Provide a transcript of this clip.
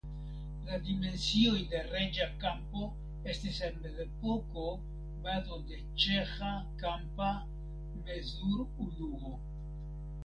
La dimensioj de Reĝa kampo estis en mezepoko bazo de ĉeĥa kampa mezurunuo.